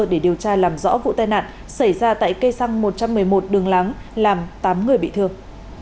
để điều tra làm rõ vụ tai nạn xảy ra tại cây xăng một trăm một mươi một đường láng làm tám người bị thương